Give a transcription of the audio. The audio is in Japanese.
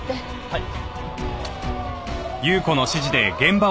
はい。